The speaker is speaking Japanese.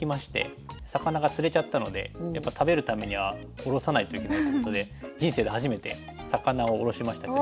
魚が釣れちゃったのでやっぱり食べるためにはおろさないといけないっていうことで人生で初めて魚をおろしましたけど。